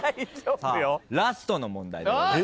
ラストの問題でございます。